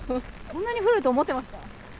こんなに降ると思っていましたか。